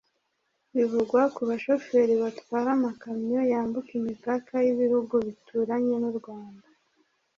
ivugwa ku bashoferi batwara amakamyo yambuka imipaka y’ibihugu bituranye n’u Rwanda